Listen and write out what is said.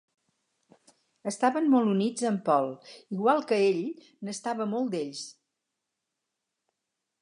Estaven molt units a en Paul, igual que ell se n'estava molt d'ells.